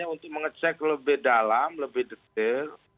untuk mengecek lebih dalam lebih detail